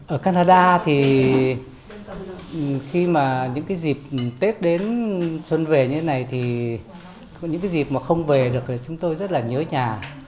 ở canada thì khi mà những cái dịp tết đến xuân về như thế này thì có những cái dịp mà không về được chúng tôi rất là nhớ nhà